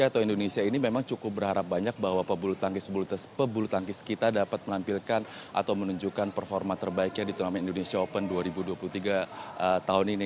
atau indonesia ini memang cukup berharap banyak bahwa pebulu tangkis pebulu tangkis kita dapat menampilkan atau menunjukkan performa terbaiknya di turnamen indonesia open dua ribu dua puluh tiga tahun ini